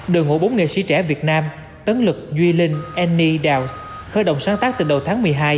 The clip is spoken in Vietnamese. đội ngũ bốn nghệ sĩ trẻ việt nam tấn lực duy linh anney dels khởi động sáng tác từ đầu tháng một mươi hai